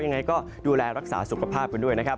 ยังไงก็ดูแลรักษาสุขภาพกันด้วย